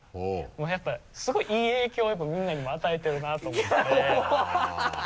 やっぱすごいいい影響をみんなにも与えてるなと思って。